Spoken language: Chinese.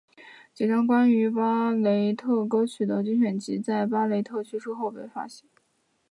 几张关于巴雷特歌曲的精选集在巴雷特去世前后被发行。